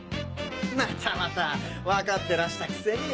またまたぁわかってらしたくせに。